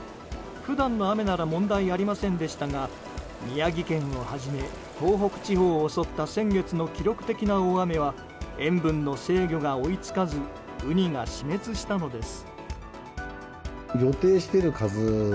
普段の雨なら問題ありませんでしたが宮城県をはじめ、東北地方を襲った先月の記録的な大雨は塩分の制御が追い付かずウニが死滅したのです。